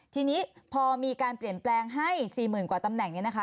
ทีนี้พอมีการเปลี่ยนแปลงให้๔๐๐๐กว่าตำแหน่งนี้นะคะ